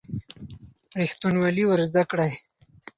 ریښتینولي ور زده کړئ.